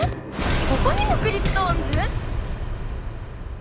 ここにもクリプトオンズ？